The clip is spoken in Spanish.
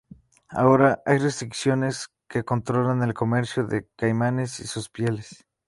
Ahora hay restricciones que controlan el comercio de caimanes y sus pieles.